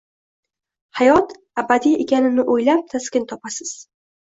Hayot abadiy ekanini o’ylab, taskin topasiz.